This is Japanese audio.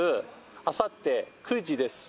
あさって９時です。